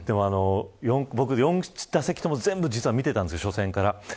４打席とも全部見ていたんです初戦から。